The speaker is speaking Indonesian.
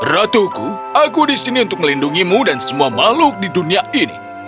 ratuku aku di sini untuk melindungimu dan semua makhluk di dunia ini